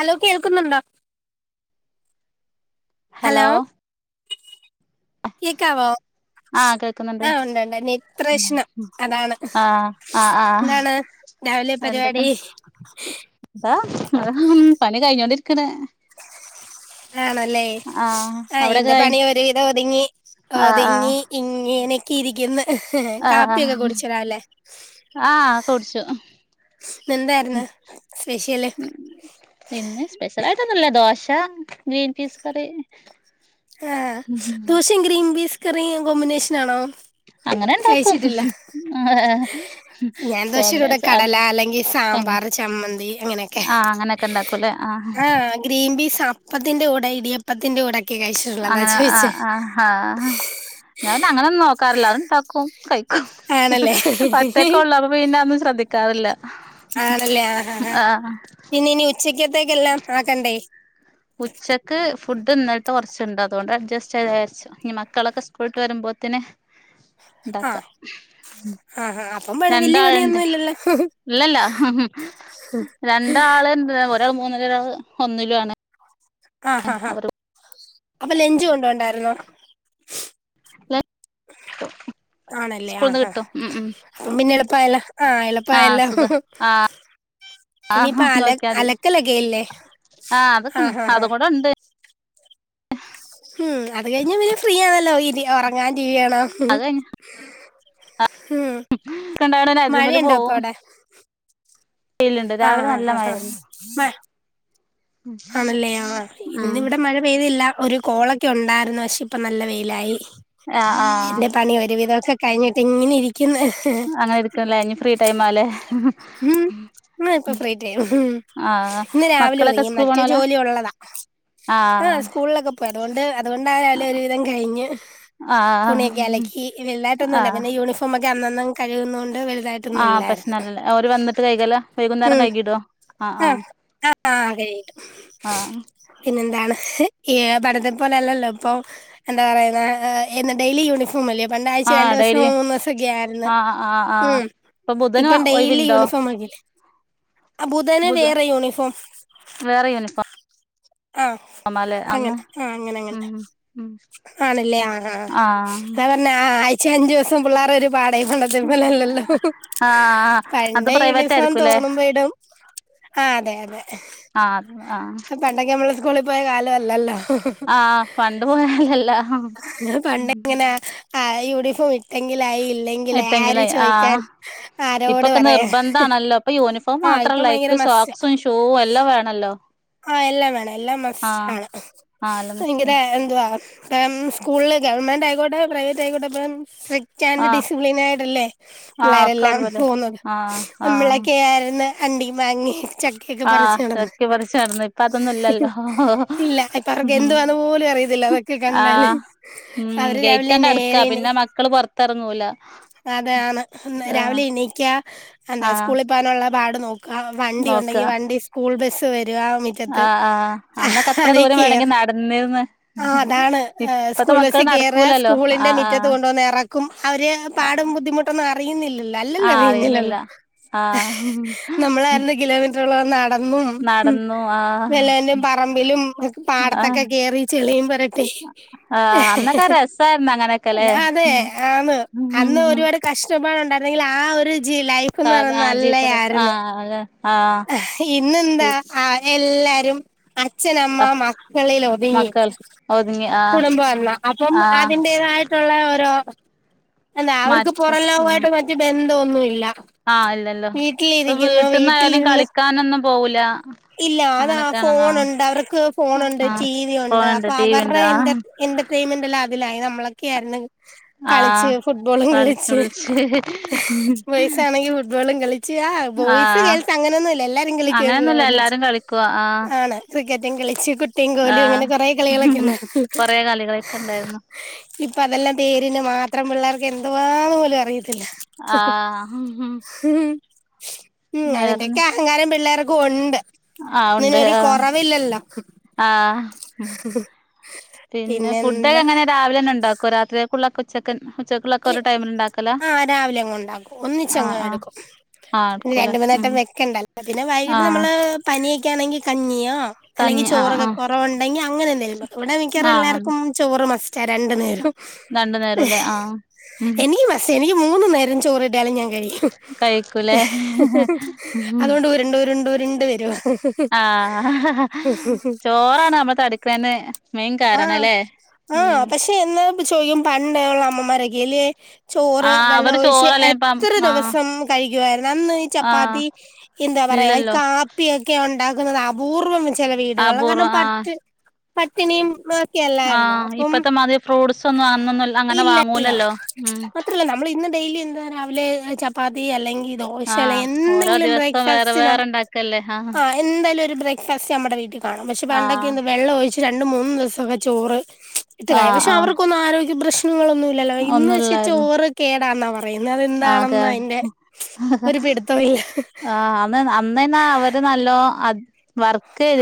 Hello കേൾക്കുന്നുണ്ടോ hello കേക്കാവോ ആഹ് കേൾക്കുന്നുണ്ട് ആ ഉണ്ട് ഉണ്ട് [unintelligible] പ്രശ്നം അതാണ് ആഹ് ആഹ് ആഹ് എന്താണ് രാവിലെ പരിവാടി ഇതാ പണി കഴിഞ്ഞോണ്ടിര്ക്ക്ണ് ആണല്ലേ ആഹ് ആ അവിടൊക്കെ എന്റെ കഴി പണി ഒരുവിധം ഒതുങ്ങി ആഹ് ആഹ് ഒതുങ്ങി ഇങ്ങനെക്കെ ഇരിക്കുന്ന് ആഹ് കാപ്പിയൊക്കെ ആഹ് കുടിചോ രാവിലെ ആഹ് കുടിച്ചു എന്തായിരുന്ന് സ്പെഷ്യല് [unintelligible] ന്നുല്ല ദോശ ഗ്രീൻ പീസ് കറി ആ ദോഷിം ഗ്രീൻ ബീസ് കറിം കോമ്പിനേഷൻ ആണോ അങ്ങനെ ഇണ്ടാക്കും കഴിച്ചിട്ടില്ല ഞാൻ ദൊഷേടെ കൂടെ ഓംലെറ്റ് അത് കടല അല്ലെങ്കി തന്നെ സാമ്പാറ് ചമ്മന്തി അങ്ങനെക്കെ ആഹ് അങ്ങനെയൊക്കെ ഇണ്ടാക്കൂല്ലേ ആഹ് ആ ഗ്രീൻ പീസ് അപ്പത്തിന്റെ കൂടെ ഇടിയപ്പത്തിന്റെ കൂടെ ഒക്കെ കഴിച്ചിട്ടുള്ളൂ അതാ അങ്ങനെ ചോയിച്ചേ ആഹ് ആഹ് ആഹ് ഞാ പിന്നെ അങ്ങനൊന്നും നോക്കാറില്ല അത്ണ്ടാക്കും കഴിക്കും ആണല്ലേ മറ്റൊക്കെ ഉള്ളപ്പ പിന്ന അന്നും ശ്രദ്ധി ക്കാറില്ല ആഹ് ച്ചെക്കേത്തേക്കെല്ലാം ആക്കണ്ടേ? ക്ക് ഫുഡ് ഇന്നൽത്തെ കൊർച്ച്ണ്ട് അതുകൊണ്ട് അഡ്ജസ്റ്റ് ചെയ്യാര്ച്ച് ഇനി മക്കളൊക്കെ സ്കൂൾട്ട് വരുമ്പോത്ത്ന് ഇണ്ടാക്കാ ആഹ് ആഹ് അപ്പം പണി വല്യ രണ്ടാള്ണ്ട് പണിയൊന്നും ഇല്ലല്ലോ ഇല്ലല്ല രണ്ടാള്ണ്ട് ഒര് രാള് മൂന്നില് ഒരാള് ഒന്നിലു ആണ് ആഹ് ഹാ ഹാ അവര് അപ്പൊ ലഞ്ച് കൊണ്ടോണ്ടായിരുന്നോ ല സ്കൂൾന്ന് കിട്ടും ഉം ഉം അപ്പൊപിന്നെ എളുപ്പായല്ലൊ ആഹ് ആഹ് എളുപ്പായല്ലൊ സുഖ ഇനിയിപ്പ ആഹ് അല നോക്കിയാതി അലക്കലൊക്കെല്ലേ അതൊക്കെ ആഹ് ഹാ ഹാ അതും കൂടെ ഉണ്ട് ഉം അത് കഴിഞ്ഞ പിന്നെ ഫ്രീയാണല്ലോ ഇനി ഉറങ്ങാം ടി വി കാണാം അത് ഉം കഴിഞ്ഞിണ്ടായോണ്ട് അതിമേല് മഴയുണ്ടോ അപ്പൊ പോവും അവിടെ വെയിലുണ്ട് രാവിലെ ആഹ് നല്ല ഹ ഹാ മഴയായിരുന്നു മഴ് ആണല്ലേ ആഹ് ഇന്ന് ഉം ഇവിടെ മഴ പെയ്തില്ല ഒരു കോളൊക്കെ ഉണ്ടായിരുന്നു പക്ഷെ ഇപ്പം നല്ല വെയിലായി ആഹ് ആഹ് എന്റെ പണി ഒരുവിധൊക്കെ കഴിഞ്ഞിട്ട് ഇങ്ങനെ ഇരിക്ക്ന്ന് അങ്ങനെ എടുക്കുംല്ലേ ഇനി ഫ്രീ ടൈമാല്ലേ അങ്ങനെ ഇപ്പൊ ഫ്രീടൈം ഉം ഇന്ന് രാവിലെ മക്കളൊക്കെ ഒതുങ്ങി സ്കൂൾ മറ്റേ പോണോലാ ജോലി ഉള്ളതാ ആഹ് പ്പൊ അതുകൊണ്ട് അത് അതുകൊണ്ടാലും ഒരുവിധം കഴിഞ്ഞ്. തുണിയൊക്കെ ആഹ് അലക്കി വെള്ളാറ്റൊന്നുല്ല ആഹ് പിന്നെ യൂണിഫ് അപ്പൊമ്മക്ക് അന്നന്നങ്‌ കഴുകുന്നോണ്ട് വലുതായി ആഹ് പ്രശ്നല്ലല്ല അവര് വന്നിട്ട് കൈകലാ വൈകുന്നേരം ഉം കൈകിടോ ആഹ് ആ ആഹ് ആ കഴിയിട്ടു ആഹ് പിന്നെന്താണ്? ഏഹ് പടത്തെ പോലെല്ലല്ലോ ഇപ്പൊ എന്താ പറയുന്ന എ ഡെയിലി യൂണിഫോ ഫോമല്ലെ. പണ്ടാഴ്ച രണ്ടു ആഹ് ദിവസം ഡെയിലി മൂന്ന് ദിവസൊക്കെ ആയിരുന്നു ആഹ് ആഹ് ആഹ് ആഹ് ഉം ഇപ്പൊ ബുധന് ഇപ്പം ഡെയിലി ഒഴിവുണ്ടോ യൂണിഫോം ആക്കീല്ലെ ആഹ് ബുധന് ബുധ വേറെ യൂണിഫോം വേറെ ആഹ് യൂണിഫോമാല്ലേ അന്ന് അങ്ങൻത്തെ ആഹ് അങ്ങനെ അങ്ങനെ ഉം ഉം ആണല്ലേ ആഹ് ആഹ് വേറ പിന്നെ ആഴ്ച അഞ്ചു ദിവസം പിള്ളേർ ഒരു പാടായി പണ്ടത്തെ പോലെ അല്ലല്ലോ ആഹ് അത് പണ്ടെ പ്രൈവറ്റ് യൂണിഫോം ആയിരിക്കൂല്ലേ തോന്നുമ്പോ ഇടും ആഹ് അതെ അതെ ആഹ് ആഹ് പണ്ടൊക്കെ നമ്മള് സ്കൂളിൽ പോയ കാലമല്ലല്ലോ ആഹ് പണ്ട് പോയാലല്ല ഇങ്ങള് പണ്ടേ അങ്ങനെ ആ യൂണിഫോം ഇട്ടെങ്കിലായി ഇല്ലെങ്കിൽ ആര് ഇട്ടെങ്കിലേ ചോദിക്കാൻ ആഹ് ആ ഇപ്പൊക്കെ നിർബന്ധാണല്ലോ ഇപ്പോ യൂണിഫോം ആ മാത്രം ഇപ്പം അല്ല ഭയങ്കര അതിക്ക് മസ്റ്റാ സോക്സും ഷൂവും എല്ലാം വേണല്ലോ ആഹ് എല്ലാം വേണം എല്ലാം മസ്റ്റ് ആഹ് ആണ് ആഹ് അല്ല മിസ് ഭയങ്കര എന്തുവാ സ്കൂളിൽ ഗവൺമെന്റ് ആയിക്കോട്ടെ പ്രൈവറ്റ് ആയിക്കോട്ടെ ഇപ്പം സ്രി ആഹ് ഡിസിപ്ലിൻ ആയിട്ടല്ലേ ആഹ് ഒക്കെ പിള്ളേരെല്ലാം ഒരുപോലെ പോകുന്നത് ആഹ് ആഹ് നമ്മളൊക്കെ ആയിരുന്നു അണ്ടിമാങ്ങിം ചക്കയൊക്കെ ആഹ് പറിച്ച് നടന്നു ചക്കി പറിച്ച് നടന്ന് ഇപ്പ അതൊന്നും ഇല്ലല്ലോ ഇല്ല ഇപ്പ അവർക്ക് ഉം എന്തുവാന്ന് പോലും അറിയത്തില്ല അതൊക്കെ കണ്ടാല് ആഹ് ഉം അവര് രാവിലെ ഗേറ്റണ്ട് അടക്കാ നേരെ പിന്നെ മക്കള് പൊർത്തെറങ്ങൂല അതാണ് രാവിലെ എണീക്കാ എന്താ ആഹ് സ്കൂളിൽ പോ വാനൊള്ള പാട് നോക്കുക നോക്ക വണ്ടിയൊണ്ടെങ്കി വണ്ടി സ്കൂൾ ബസ്സുവരുക മി റ്റത്ത് ആഹ് ആഹ് അന്നൊക്കെ എത്ര ദൂരം വേണെങ്കി അതീകേറാ നടന്നിരുന്ന് ആ അതാണ് ആ ഇപ്പത്തെ മക്കള് സ്കൂൾബസ്സികേറുക നടക്കൂലല്ലോ സ്കൂളിന്റെ ആഹ് മിറ്റത്ത് ആഹ് കൊണ്ടോന്ന് എറക്കും അവര് പാടും ബുദ്ധിമുട്ട് ട്ടൊന്നും അറിയുന്നില്ലല്ലോ ആഹ് അല്ലല്ലറിയുന്നില്ലല്ലോ അറിയുന്നില്ല ആഹ് നമ്മളായിരുന്നു കിലോമീറ്ററുകളോളം നടന്നും നോ ആ വല്ലവൻ്റേം പറമ്പിലും ആഹ് പാടത്തൊക്കെകേറി ചെളിയും പെരട്ടി ആഹ് അന്നൊക്കെ രസായിരുന്നു അങ്ങനെയൊക്കെല്ലേ ഞാൻ അതെ ആന്ന് ഉം അന്ന് ഉം ഒരുപാട് കഷ് ഷ്ടപ്പാട് ഒണ്ടായിരുങ്കില് ആ ഒരു ജീ ലൈഫ് ഫാണ് ആ ജീത്തഡ്രസ്സ് ആ അതെ ആ ഈ ഇന്നെന്താ ആ എല്ലാരും അച്ഛനമ്മ മക്കളിൽ ഒതുങ്ങി മക്കൾ ഒതുങ്ങി അ കുടുംബം വന്നാ അപ്പം അതിന്റേതായിട്ടുള്ള ഓരോ എന്താ അവർക്ക് മറ്റ പൊറം ഉം ലോകമായിട്ട് മറ്റു ബന്ധമൊന്നുമില്ല ആ അല്ലല്ലോ അപ്പ വീട്ടിലിരിക്കുന്നു വീട്ടെന്നായാലും വീട്ടിലിരുന്ന് കളിക്കാനൊന്നും പോവുല്ലാ ഇല്ല അതാ ഫോണൊണ്ട് അവർക്ക് ഫോണൊണ്ട് ആ ടിവിയൊണ്ട് ഫോണുണ്ട് അപ്പൊ ടി വി അവർ ഇപ്പ ഉണ്ട് ആ എൻ്റെർ എന്റർട്രെയ്മെന്റെല്ലാം അതിലായി നമ്മളൊക്കെ ആയിരുന്നെങ്കി ആ കളിച്ച് ഫുട്ബോളും കളിച്ച് ബോയ്സാണെങ്കി ഫുട്ബോളും കളി ച്ച് ആ ബോയ്സ് ഗേൾസ് അങ്ങനൊന്നുമില്ല എല്ലാരും കളിക്കുവായിരുന്നല്ലോ അങ്ങനെയൊന്നുല്ല ഒന്നിച്ച് എല്ലാരും കളിക്കുവാ ആ ആണ് ക്രിക്കറ്റുംകളിച്ച് കുട്ടിയും ആ കോലും അങ്ങനെ കൊറെ കളികളൊക്കെയുണ്ടായിരുന്നു കൊറെ കളികളൊക്കെയൊണ്ടായിരുന്നു ഇപ്പൊ അതെല്ലാം പേരിനുമാത്രം പിള്ളേർക്ക് എന്തുവാന്നുപോലും അറിയത്തില്ല ആ ഉം വേറെന്ന അതിന്റെക്കെ അഹങ്കാരം പിള്ളേർക്കും ഒണ്ട് ആ ഉണ്ട് ഒന്നിനൊരു ആ കൊറവില്ലല്ലോ [inaudible] ആഹ് പിന്നെ ഫുഡെക്കെ പിന്നെന്താ എങ്ങനാ രാവിലെതന്നെ ഉണ്ടാക്കോ രാത്രി ഉണ്ടാക്കലാ ആ രാവിലെയങ്ങ് ഒണ്ടാക്കും ആഹ് ഒന്നിച്ചങ്ങ് ആഹ് എടുക്കും ആഹ് പിന്നെ എടുക്കൂലേ രണ്ടുമൂന്നുവട്ടം ഉം വെക്കണ്ടല്ലോ പിന്നെ വൈകിട്ട് ആഹ് നമ്മള് പനിയൊക്കെ ആണെങ്കി കഞ്ഞിയോ അല്ലെങ്കി കഞ്ഞി ആഹ് ചോറൊക്കെ ആഹ് കൊറവൊണ്ടെങ്കി അങ്ങനെയെന്തേലും ഇവിടെ മിക്കവാറും ആഹ് എല്ലാർക്കും ചോറുമസ്റ്റാ രണ്ടുനേരേം രണ്ടു നേരംല്ലേ ആഹ് ഉം എനിക്കുമസ്റ്റാ എനിക്കു മൂന്നുനേരം ചോറുകിട്ടിയാലും ഞാൻകഴിക്കും കഴിക്കൂലേ ഉം അതുകൊണ്ട് ഉരുണ്ടു ഉരുണ്ടു ഉരുണ്ടു വരുവാ ഹാ ചോറാണ് നമ്മ തടിക്കണേൻ്റെ മെയിൻ കാരണല്ലേ ഉം എന്നായിപ്പ ചോയിക്കും പണ്ടൊള്ള അമ്മമാരൊക്കെയില്ലേ ചോറ് ആഹ് അവര് വെള്ളമൊഴിച്ച് ചോറല്ലേ ഇപ്പം ആഹ് എത്രദിവസം കഴിക്കുവായിരുന്നു അന്ന് ഈ ആഹ് ചപ്പാത്തി എന്താപറയാ ഇല്ലല്ലോ കാ പ്പിയൊക്കെ ഒണ്ടാക്കുന്നത് അപൂർവം ചെല വീടുകള് കാരണം അപൂർവം ആഹ് പട്ട് പട്ടിണിയും മൊക്കെയല്ലായിരുന്നോ ആഹ് അപ്പം ഇപ്പത്തെ മാതിരി ഫ്രൂട്ട്സ് ഒന്നും അന്നൊന്നും അങ്ങനെ ഇല്ലല്ലോ വാങ്ങൂലല്ലോ ഉം മാത്രല്ലാ നമ്മൾ ഇന്ന് ഡെയ്ലി എന്ത് രാവിലെ ചപ്പ് ചപ്പാത്തി അല്ലെങ്കി ദോശ അല്ലെ ആഹ് ഓരോ എന്തെങ്കിലും ദിവസവും വേറെ ബ്രേക്ക്ഫാസ്റ്റ് നാം വേറെ ഇണ്ടാക്കല്ലേ ആഹ് ആ എന്തേലും ഒരു ബ്രേക്ക്ഫാസ്റ്റ് നമ്മടെ വീട്ടികാണും പക്ഷേ പണ്ടൊക്കെ ആഹ് അന്ന് വെള്ളമൊഴിച്ച് രണ്ടുംമൂന്നും ദിവസം ചോറ് ഇട്ടുകായും ആഹ് പക്ഷെ ആഹ് അവർക്കൊന്നും ആരോഗ്യ പ്രശ്നങ്ങളൊന്നൂല്ലല്ലോ ഇന്ന് പക്ഷേ ഒന്നുല്ലായിരുന്നു ചോറ് കേടാണെന്നാ പറയുന്നേ ആഹ് കേ അതെന്താണെന്ന് അതിന്റെ ഒരുപിടിത്തമില്ല ന്ന് അന്ന് ന്ന അവര് നല്ലോ അത് വർ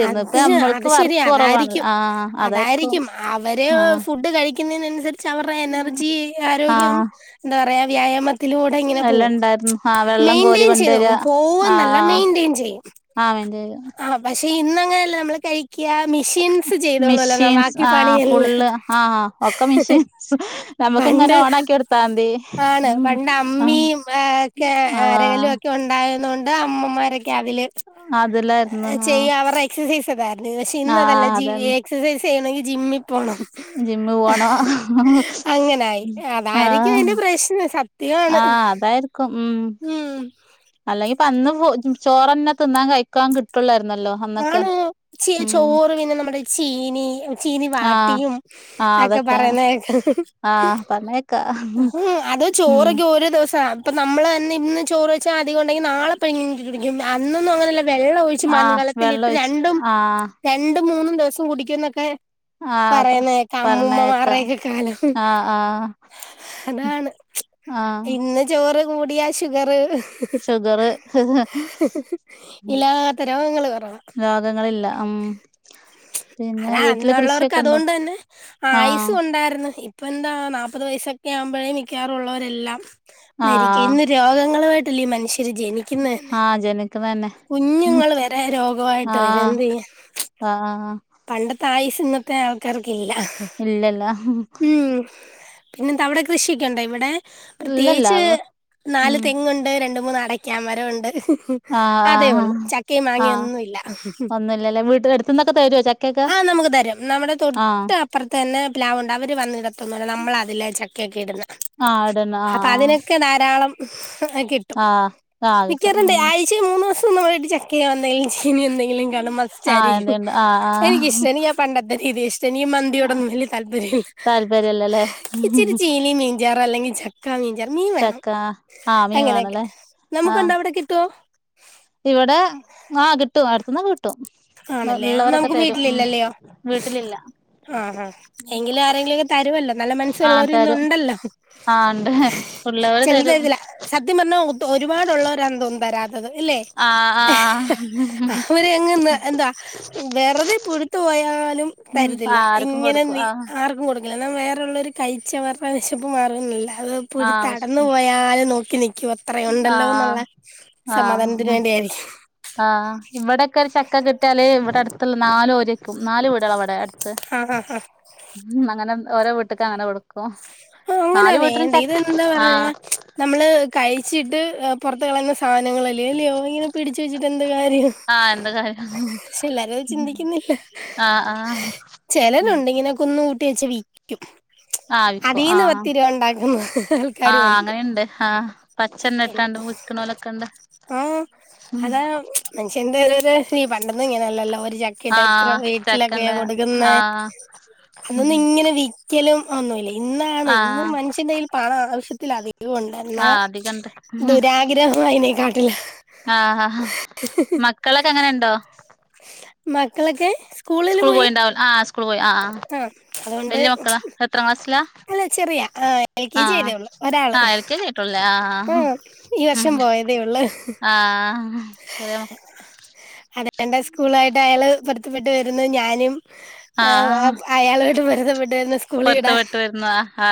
അത് അത് ശെരി അതായിരിക്കും. അതായിരിക്കും അവര് ആഹ് ഫുഡ് കഴി ക്ക്ന്നയ്നൻസരിച്ച് അവരുടെ എനർജി, ആരോഗ്യം ആഹ് എന്താ പറയാ വ്യായാമം തിലൂടെ ഇങ്ങനെ എല്ലാം പോവു ഇണ്ടായിരുന്നു ആഹ് വെള്ളം കോരി മെയിന്റെയിൻ ചെയ്തു കൊണ്ടുവരാ പോവും പോവും ന്നല്ല മെയിൻറ്റെയിൻ ചെയ്യും. അവൻ്റെത് ആഹ് പക്ഷെ ഇന്നങ്ങനെയല്ല നമ്മള് കഴിക്ക മെഷീൻ മിക്സിചെയ്തോളൂല്ലോ മെഷീൻസ് ബാക്കി ആ പണിയല്ലം ഫുള്ള് ആ ഒക്കെ മെഷീൻസ് നമുക്ക് ഇങ്ങനെ പണ്ട്. ഓണാക്കി കൊടുത്താതി ആണ് ഉം പണ്ട് ആ അമ്മിയും ഒക്കെ അരലും ഒ ക്കെണ്ടായതോണ്ട് അമ്മമാരൊക്കെ അതില് അതെല്ലായിരുന്നു ആഹ് അവർ എക്സസൈസ്തായിരുന്നു. പക്ഷെ ഇന്നതല്ല ജി എക്സസൈസ് യ്യണമെങ്കി ജിമ്മി പോണം ജിമ്മി പോണ അങ്ങനായി ആഹ് അതായിരിക്കും അതിന്റെ പ്രശ്നം സത്യമാണ് ആഹ് അതായിരിക്കും ഉം ഉം അല്ലെങ്കി ഇപ്പം അന്ന് ചോറ്ന്നെ തിന്നാൻ കഴിക്കാൻ കിട്ടൂല്ലായിരുന്നല്ലോ ആണ്. ഇച്ചിരി ചോറ് പിന്നെ നമ്മുടെ ചീനി ചീനി ആ വാട്ടിയും ആ ഒക്കെ അതൊക്കെ പറയുന്ന കേൾക്ക ആ പറഞ്ഞേക്കാ ഉം അത് ഉം ചോറൊക്കെ ഒരോ ദിവസാ ഇപ്പൊ നമ്മള് തന്നെ ഇന്ന് ചോറ് വെച്ചാ അധികം ഉണ്ടെങ്കി നാളെ പിന്നെയും വെച്ചോണ്ടിരിക്കും. അന്നൊന്നും അങ്ങനെല്ല വെള്ളം ഒഴിച്ച് ആ വെള്ളം മൺകലത്തിലിട്ട് ഒഴിച്ചു രണ്ടും, ആ രണ്ടും മൂന്നും ദിവസം കുടിക്കും ന്നൊക്കെ ആ പറയുന്ന കേൾക്കാം അമ്മൂമ്മ പറഞ്ഞേക്കാം മാരേക്കെ കാലം ആ ആ അതാണ് ആഹ് ഇന്ന് ചോറ് കൂടിയാ ഷുഗർ ഷുഗറ് ഇല്ലാത്ത രോഗങ്ങൾ പറ രോഗങ്ങളില്ല. ഉം പിന്നെ അതാ വീട്ടില് അന്നുള്ളവർക്ക് കൃഷിയൊക്കെ ഉണ്ടോ അതുകൊണ്ട് തന്നെ ആഹ് ആയുസ് കൊ ണ്ടായിർന്നു. ഇപ്പെന്താ നാൽപത് വയസൊക്കെ ആവുമ്പോഴേ മിക്കവാറുള്ളവരല്ലാം ആഹ് മരിക്കയാണ് രോഗങ്ങളുമായിട്ടല്ലേ മനുഷ്യര് ജനിക്കുന്നന്നെ. ആഹ് ജനിക്കണന്നെ കുഞ്ഞുങ്ങൾ വരെ രോഗ ആഹ് ആഹ് പണ്ടത്തെ ആയുസ് ഇന്നത്തെ ആൾക്കാർക്കില്ല ഇല്ലല്ല ഉം പിന്നെന്താ അവിടെ കൃഷിയൊക്കെണ്ടോ? ഇവിടെ ഇല്ലല്ല പ്രത്യേകിച്ച് നാല് ഉം തെങ്ങുണ്ട്, രണ്ട് മൂന്ന് അടക്കാ മരോണ്ട് ആഹ് അതേ ആഹ് ഉള്ളൂ. ചക്കേം മാങ്ങയൊന്നുല്ല ഇല്ല അല്ലേ. വീട്ടിനടുത്തുന്ന് ഒക്കെ തരോ ച ആഹ് നമുക്ക് തരും. നമ്മുടെ തൊട്ട പ്പർത്തന്നെ പ്ലാവ്ണ്ട്. അവര് വന്നിടത്തൊന്നുല്ല. നമ്മള അതിലെ ചക്കയൊക്കെ ഇടുന്ന ആഹ് ഇടന്നെ അപ്പൊ ആഹ് അതിനൊക്കെ ധാരാളം കിട്ടും. ആഹ് ആഹ് ആഹ് മിക്ക കിട്ടും ഉം [unintelligible] ച്ചി മൂന്നോസം ഒന്ന് പോയിട്ട് ചെക്ക് ചെയ്യാവുന്ന. ഇൻ സുലിൻ എന്തെങ്കിലും കാണും ആഹ് മസ്റ്റായിരിക്കും. എന്തേണ്ട് ആഹ് എനിക്കിഷ്ടല്ല. നിക്ക് ആഹ് പണ്ടത്തെ രീതിയാ ഇഷ് സെനി ആഹ് മന്തിയോടൊന്നും വല്യ താല്പര്യല്ല. താല്പര്യല്ലല്ലേ ഇച്ചിരി ചീനി, മീഞ്ചാറ് അല്ലെങ്കി ചട് ക്ക മീൻചാർ. മീൻ വേണം ചക്ക ആഹ് മീൻ അങ്ങനെയൊക്കെ. വേണല്ലേ നമുക്ക് എന്ത വിടെ കിട്ടോ. ഇവടെ ആഹ് കിട്ടും അടുത്തിന്നൊക്കെ കിട്ടും. ആണല്ലേ ഉള്ളവരക്കെ നമുക്ക് തരും ഉം വീട്ടിലില്ല. ആഹ് ഹ എങ്കിലും ആരെങ്കിലൊക്കെ തരുവല്ലോ. നല്ല മനസ്സുള്ളവര് ഇന്ന് ഉണ്ടല്ലോ. ആഹ് ണ്ട് ഉള്ളവർ തരു. [unintelligible] സത്യം പറഞ്ഞാൽ ഒരുപാടുള്ളവർ ആണെന്ന് തോന്നുന്നു തരാത്തത് ഇല്ലേ. ആ ആ അവരെ എങ്ങ്ന്ന്. വെറുതെ പുഴുത്തു പോയാലും ഉം തരത്തില്ല. ആർക്കും ഇങ്ങനെ കൊടുക്കും നി ആ ആർക്കും കൊടുക് കില്ല. ന്നാ വേറെള്ളോരു കഴിച്ച് അവർടെ വിശപ്പ് മാറൊന്നില്ല. അത് ആ പുഴുത്തടന്നു വിശക്കും പോയാലും നോക്കി നിക്ക്യുവ ആ ത്രയുണ്ടല്ലോ ന്നുള്ള സമാധാനത്തിന് വേണ്ടിയായിരിക്കും. ആഹ്. ഇവടെക്കെ ഒരു ചക്ക കിട്ടിയാല് ഇവടെ അട്ത്ത്ള്ള നാല് ഓര്യേക്കും. നാല് വീടേളാ വടെ. ആഹാ ഹാ ഹ. ഉം അങ്ങനെ ഓരോ വീട്ടിക്ക് അങ്ങനെ വിടും. ആഹ് അങ്ങനാ വേണ്ടേ ഇത് എന്താ ആ പറഞ്ഞാ നമ്മള് കഴിച്ചിട്ട് പുറത്ത് കളയുന്ന സാനങ്ങളെ ല്ലെ ല്ല്യോ ഇങ്ങനെ പിടിച്ച് വെച്ചിട്ട് എന്ത് കാര്യം. ആ എന്ത കാര്യം പക്ഷെ എല്ലാരും അതു ചിന്തിക്കുന്നില്ല. ആ ആ ഉം ചെലരുണ്ട് ഇങ്ങനെ കുന്ന് കൂട്ടി വെച്ച് വിക്കും. ആഹ് വിക്കും അതീന്ന് ആഹ്. പത്ത് രൂപ ഉണ്ടാക്കുന്ന ആൾക്കാരും ആഹ് ഉണ്ട്. അങ്ങനിണ്ട് ആഹ്. പ ച്ചന്നെ ട്ടാണ്ട് വിക്കണോലൊക്കെണ്ട്. ആഹ് അതാ മനുഷ്യന്റെ ഒരൊര് ഈ പണ്ടൊന്നും ഇങ്ങനല്ലല്ലോ ഒരു ച ക്കയിട്ട എത്ര ആഹ് വീട്ടിലൊക്കെയാ ചക്കണ്ട് കൊടുക്കുന്ന ആഹ് അന്നൊന്നും ഇങ്ങനെ വി ക്ക്യലും ഒന്നു ഇല്ല. ഇന്നാണ് ഇന്ന് ആഹ് മനുഷ്യന്റെ കൈയിൽ പണം ആവശ്യത്തിലധികം ഒ ണ്ടെന്നാ ആഹ് അധികണ്ട് ദുരാഗ്രഹം അയിനേക്കാട്ടിലാ. ആഹഹ മക്കളൊക്കെ അങ്ങനെണ്ടോ. മക്കളൊക്കെ സ്കൂൾ പോയീണ്ടാവു, ആഹ് സ്കൂള് പോയി ആഹ് ആഹ്. ആഹ് അതുകൊണ്ട് വല്യ മക്കളാ എത്രാം ക്ലാസ്സിലാ അവള് ചെറിയ, ആഹ് എൽ കെ ജി ആഹ് ആയതേ ഒള്ള്. ആഹ് എൽ കെ ജി ആയിട്ടൊള്ളു ലേ ആഹ്. ഈ വർഷം പോയതേ ഉള്ളു ആഹ് കല്യാണം. അതെ എന്റെ സ്കൂളായിട്ട് അയാൾ പൊരുത്തപ്പെട്ടു വരുന്നു ഞാനും ഏഹ് അയാളോട് പൊരുത്തപ്പെട്ടു വരുന്നു. പൊരുത്തപെട്ട് വരുന്നു ആഹാ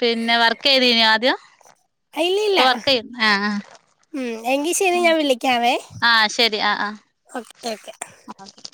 പിന്നെ വർക്ക് ചെയ്തീന്യോ ആദ്യം, ഇല്ല ഇല്ല ഇപ്പൊ വർക്കെയ്യും, ആഹ്. ഉം എങ്കി ശരി ഞാൻ വിളിക്കാവേ. ആഹ് ശരി ആഹ് ആഹ് ഓക്കെ ഓക്കെ. ആഹ്